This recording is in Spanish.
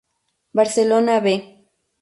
Barcelona "B".